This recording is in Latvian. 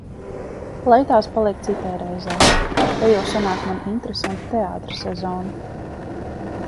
Lai tās paliek citai reizei. Te jau sanāk man interesanta teātra sezona.